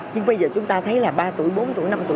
nhưng bây giờ chúng ta thấy là ba tuổi bốn tuổi năm tuổi